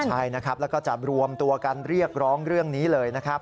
ใช่แล้วก็จะรวมตัวกันเรียกร้องเรื่องนี้เลย